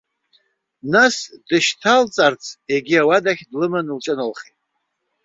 Нас дышьҭалҵарц егьи ауадахь длыманы лҿыналхеит.